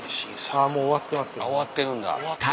終わってるんだ。